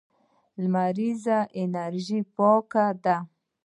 لمریزه انرژي پاکه انرژي ده